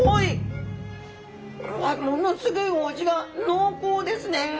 ものすごいお味が濃厚ですね！